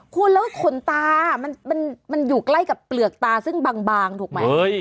คุณแล้วขนตามันอยู่ใกล้กับเปลือกตาซึ่งบางถูกไหม